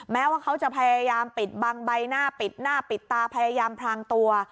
แม้ว่าเขาจะพยายามปิดบังใบหน้าปิดหน้าปิดตาพยายามพลางตัว